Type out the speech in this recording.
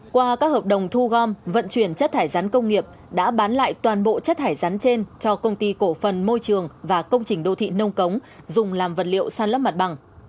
qua các hợp đồng thu gom vận chuyển chất thải rắn công nghiệp đã bán lại toàn bộ chất thải rắn trên cho công ty cổ phần môi trường và công trình đô thị nông cống dùng làm vật liệu san lấp mặt bằng